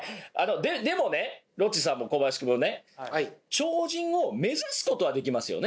でもねロッチさんも小林くんもね超人を目指すことはできますよね。